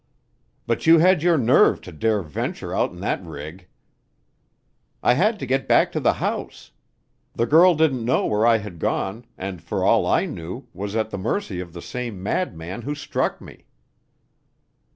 "But you had your nerve to dare venture out in that rig!" "I had to get back to the house. The girl didn't know where I had gone, and, for all I knew, was at the mercy of the same madman who struck me."